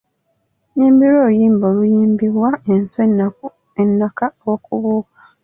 Nnyimbira oluyimba oluyimbirwa enswa ennaka okubuuka .